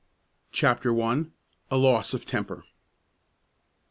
CHAPTER I. A LOSS OF TEMPER.